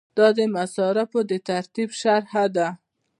دا د مصارفو د ترتیب شرحه ده.